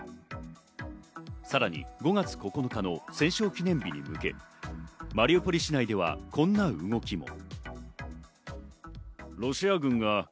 さらに５月９日の戦勝記念日に向け、マリウポリ市内ではこんな動きも。